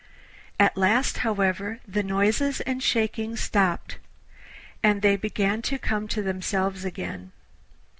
At last, however, the noises and shaking stopped, and they began to come to themselves again.